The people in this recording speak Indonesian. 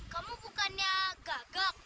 kamu bukannya gagak